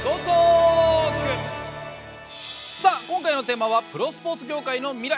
さあ今回のテーマはプロスポーツ業界の未来。